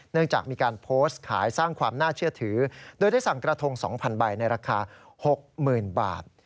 จากมีการโพสต์ขายสร้างความน่าเชื่อถือโดยได้สั่งกระทง๒๐๐ใบในราคา๖๐๐๐บาท